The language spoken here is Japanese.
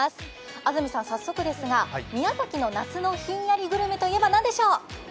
安住さん、早速ですが宮崎の夏のひんやりグルメはなんでしょう？